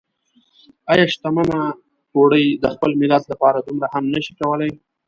ايا شتمنه پوړۍ د خپل ملت لپاره دومره هم نشي کولای؟